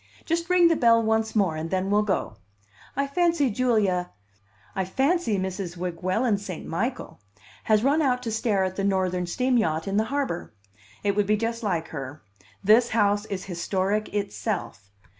Just ring the bell once more, and then we'll go. I fancy Julia I fancy Mrs. Weguelin St. Michael has run out to stare at the Northern steam yacht in the harbor. It would be just like her. This house is historic itself.